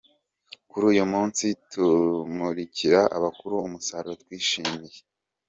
kuri uyu munsi tumurikira abakuru umusaruro twishimiye.